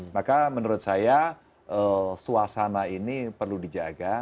maka menurut saya suasana ini perlu dijaga